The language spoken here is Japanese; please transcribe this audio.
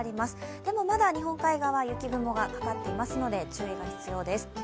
でも、まだ日本海側、雪雲がかかっていますので、注意が必要です。